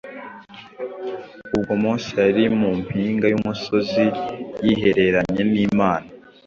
Ubwo Mose yari mu mpinga y’umusozi yihereranye n’Imana